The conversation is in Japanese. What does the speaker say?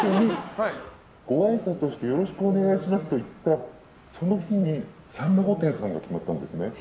ごあいさつをしてよろしくお願いしますと言ったその日に「さんま御殿！！」さんが決まったんですね。